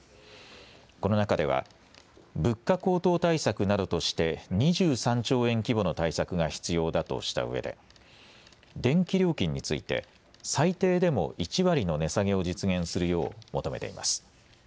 この中では物価高騰対策などとして２３兆円規模の対策が必要だとしたうえで電気料金について最低でも１割の値下げを実現するよう求めています。